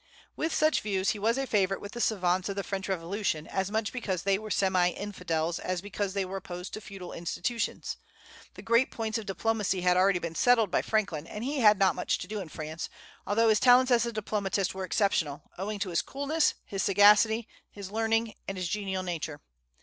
With such views, he was a favorite with the savants of the French Revolution, as much because they were semi infidels as because they were opposed to feudal institutions. The great points of diplomacy had already been settled by Franklin, and he had not much to do in France, although his talents as a diplomatist were exceptional, owing to his coolness, his sagacity, his learning, and his genial nature.